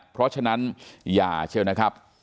เพราะฉะนั้นอย่าเชียวนะครับ